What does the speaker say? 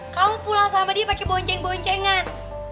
kamu pulang sama dia pake bonceng boncengan